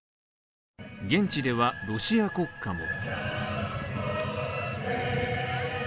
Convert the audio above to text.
現地ではロシア国歌も。